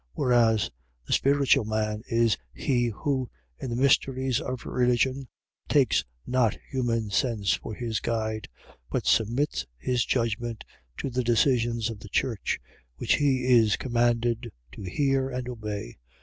Whereas the spiritual man is he who, in the mysteries of religion, takes not human sense for his guide: but submits his judgment to the decisions of the church, which he is commanded to hear and obey.